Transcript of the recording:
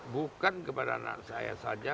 bukan kepada anak saya saja